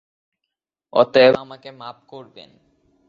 অতএব আমাকে মাপ করবেন।